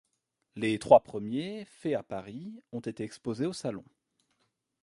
Les trois premiers, faits à Paris, ont été exposés au salon.